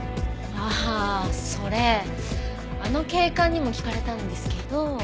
ああそれあの警官にも聞かれたんですけど。